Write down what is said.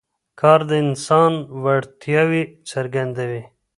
کار د انسان وړتیاوې څرګندوي